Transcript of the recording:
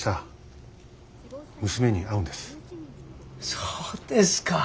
そうですか。